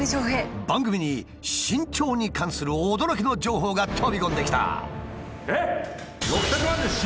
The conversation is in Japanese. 番組に身長に関する驚きの情報が飛び込んできた。